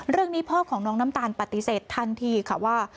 เรื่องนี้พ่อของน้องน้ำตาลปฏิเสธทันทีค่ะว่า